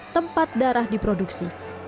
tempat darah diproduksi